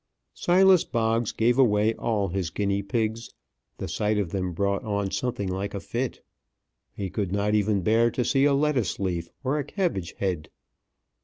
Silas Boggs gave away all his guinea pigs the sight of them brought on something like a fit. He could not even bear to see a lettuce leaf or cabbage head.